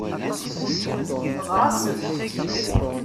Ɣer-asen.